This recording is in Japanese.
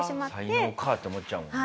才能かって思っちゃうもんね。